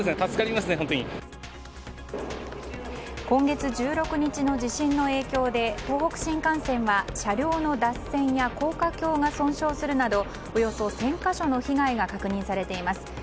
今月１６日の地震の影響で東北新幹線は車両の脱線や高架橋が損傷するなどおよそ１０００か所の被害が確認されています。